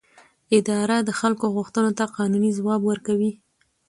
اداره د خلکو غوښتنو ته قانوني ځواب ورکوي.